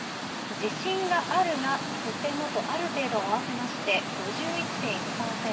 自信があるが、とてもと、ある程度を合わせまして、５１．１％。